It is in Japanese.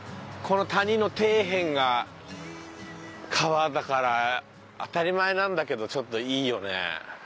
この谷の底辺が川だから当たり前なんだけどちょっといいよね。